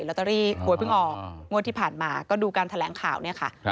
ลอตเตอรี่หวยเพิ่งออกงวดที่ผ่านมาก็ดูการแถลงข่าวเนี่ยค่ะ